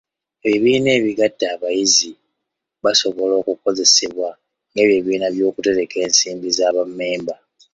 Ebibiina ebigatta abayizi basobola okukozesebwa ng'ebibiina by'okutereka ensimbi za bammemba.